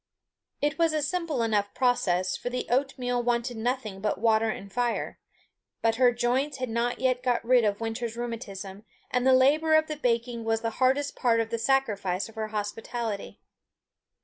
It was a simple enough process, for the oat meal wanted nothing but water and fire; but her joints had not yet got rid of the winter's rheumatism, and the labour of the baking was the hardest part of the sacrifice of her hospitality.